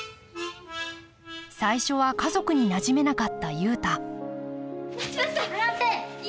最初は家族になじめなかった雄太待ちなさい！